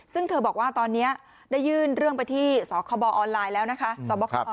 ซึ่งเธอบอกว่าตอนนี้ได้ยื่นเรื่องไปที่สคบออนไลน์แล้วนะคะ